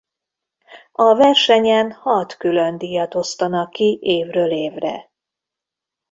A versenyen hat különdíjat osztanak ki évről évre.